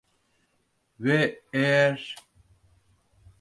Ve eğer…